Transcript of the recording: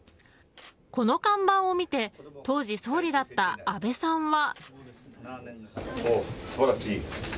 この看板を見て当時総理だった安倍さんは。